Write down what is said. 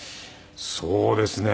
そうですね。